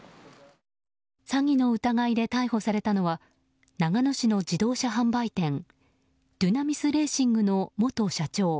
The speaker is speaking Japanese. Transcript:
詐欺の疑いで逮捕されたのは長野市の自動車販売店デュナミス・レーシングの元社長